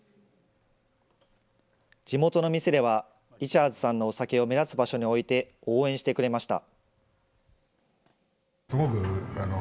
地元の店では、リチャーズさんのお酒を目立つ場所に置いて応援してくれました。